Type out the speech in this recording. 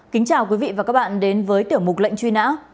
kính chào quý vị và các bạn đến với tiểu mục lệnh truy nã